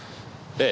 ええ。